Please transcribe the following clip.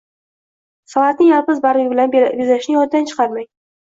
Salatni yalpiz bargi bilan bezashni yoddan chiqarmang